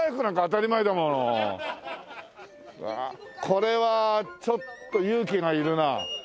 これはちょっと勇気がいるなあ。